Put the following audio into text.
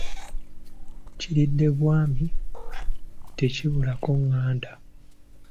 Kiridde bwami, tekibulako nganda.